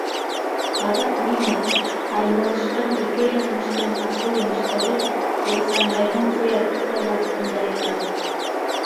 Аҙаҡ нимә: аймылышҡан ике яҙмыштың асы емештәре Ихсанбайҙың ҡыяр түтәле аҫтында ята.